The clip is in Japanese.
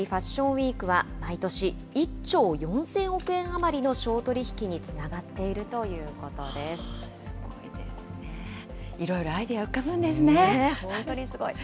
ウィークは、毎年１兆４０００億円余りの商取引につながっているということですごい。